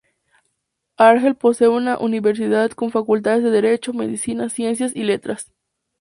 Argel posee una universidad con facultades de derecho, medicina, ciencia y letras.